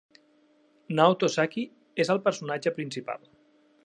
Naoto Saki és el personatge principal.